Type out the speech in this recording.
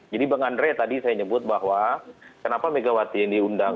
jadi bang andre tadi saya nyebut bahwa kenapa megawati yang diundang